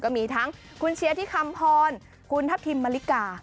ก็มีทั้งคุณเชียร์ที่คำพรคุณทัพทิมมะลิกา